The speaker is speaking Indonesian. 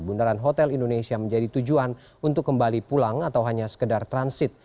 bundaran hotel indonesia menjadi tujuan untuk kembali pulang atau hanya sekedar transit